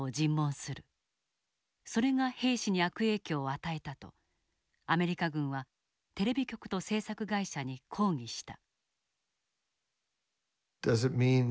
それが兵士に悪影響を与えたとアメリカ軍はテレビ局と制作会社に抗議した。